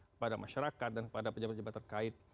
kepada masyarakat dan kepada pejabat pejabat terkait